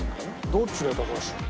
どっちだよ高橋。